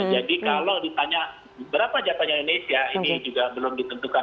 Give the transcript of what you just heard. jadi kalau ditanya berapa jatahnya indonesia ini juga belum ditentukan